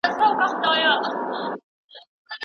په لویه جرګه کي د کرني د ودي لپاره څه ویل کیږي؟